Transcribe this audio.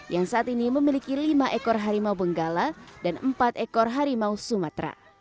yang saat ini memiliki lima ekor harimau benggala dan empat ekor harimau sumatera